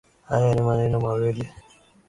Hayo ni maneno mawili